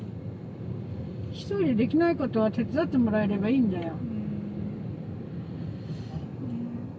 ひとりでできないことは手伝ってもらえればいいんだよ。